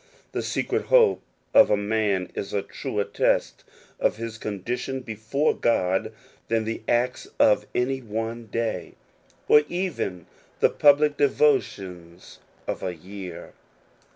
The secret hope of a man is a truer test of his condition before God than the acts of any one day, or even the public devotions of a year.